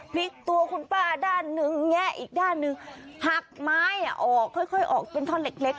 พลิกตัวคุณป้าด้านหนึ่งแงะอีกด้านหนึ่งหักไม้ออกค่อยออกเป็นท่อนเล็ก